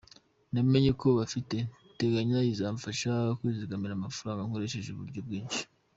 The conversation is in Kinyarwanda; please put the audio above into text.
Namenye ko bafite “Teganya” izamfasha kwizigamira amafaranga nkoresheje uburyo bwinshi.